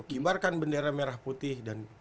kibarkan bendera merah putih dan